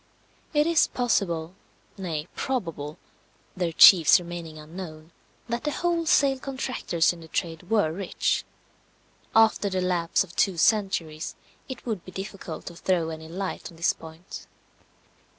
It is possible, nay probable (their chiefs remaining unknown), that the wholesale contractors in the trade were rich. After the lapse of two centuries, it would be difficult to throw any light on this point.